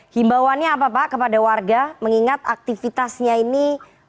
himbauannya apa pak kepada warga mengingat aktivitasnya ini